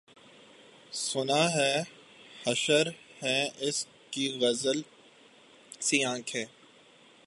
سُنا ہے حشر ہیں اُس کی غزال سی آنکھیں